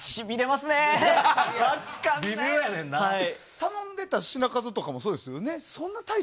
頼んでた品数とかもそうですよね。